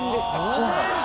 そうなんです。